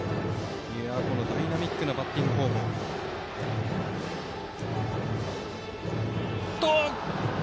ダイナミックなバッティングフォームです。